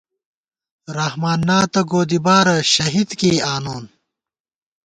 رحمان نا تہ گودیبارہ، شہید کېئی آنون